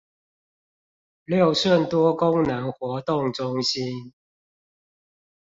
六順多功能活動中心